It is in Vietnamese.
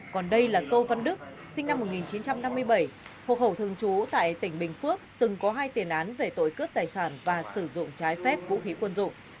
còn đây là tô văn đức sinh năm một nghìn chín trăm năm mươi bảy hộ khẩu thường trú tại tỉnh bình phước từng có hai tiền án về tội cướp tài sản và sử dụng trái phép vũ khí quân dụng